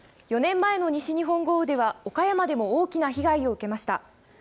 ４年前の西日本豪雨では、岡山でも大きな被害を受けました。